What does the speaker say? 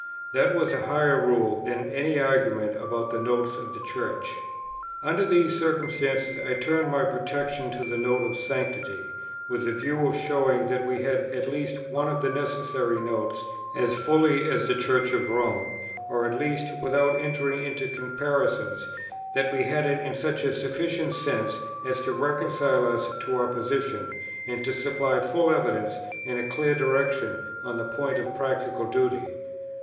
That was a higher rule than any argument about the Notes of the Church. Under these circumstances I turned for protection to the Note of Sanctity, with a view of showing that we had at least one of the necessary Notes, as fully as the Church of Rome; or, at least, without entering into comparisons, that we had it in such a sufficient sense as to reconcile us to our position, and to supply full evidence, and a clear direction, on the point of practical duty.